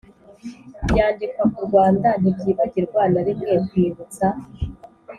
byandika ku rwanda ntibyibagirwa na rimwe kwibutsa